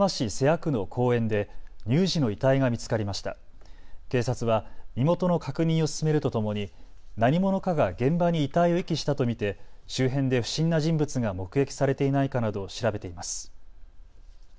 警察は身元の確認を進めるとともに何者かが現場に遺体を遺棄したと見て周辺で不審な人物が目撃されていないかなど調べています。